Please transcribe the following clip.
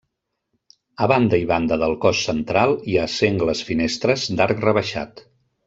A banda i banda del cos central hi ha sengles finestres d'arc rebaixat.